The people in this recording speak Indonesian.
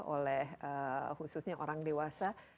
oleh khususnya orang dewasa